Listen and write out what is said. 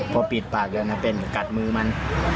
พอปิดปากแล้วนะเป็นกัดมือมัน